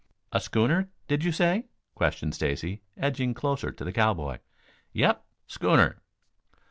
"A schooner, did you say?" questioned Stacy, edging closer to the cowboy. "Yep; schooner."